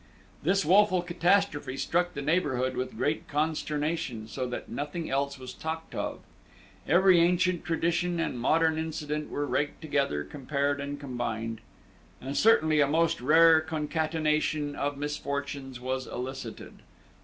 This woful catastrophe struck the neighborhood with great consternation, so that nothing else was talked of. Every ancient tradition and modern incident were raked together, compared, and combined; and certainly a most rare concatenation of misfortunes was elicited.